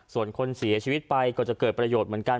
ส่วนคนเสียชีวิตไปก็จะเกิดประโยชน์เหมือนกัน